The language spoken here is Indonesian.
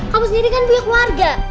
kamu sendiri kan punya keluarga